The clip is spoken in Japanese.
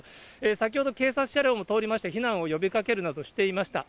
先ほど、警察車両も通りまして、避難を呼びかけるなどしていました。